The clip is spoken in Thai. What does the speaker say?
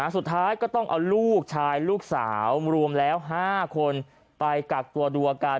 สุดท้ายก็ต้องเอาลูกชายลูกสาวรวมแล้ว๕คนไปกักตัวดูอาการ